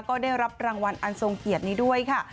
ก็ได้รับรางวัลอันทรงเกียรตินี้ด้วยค่ะ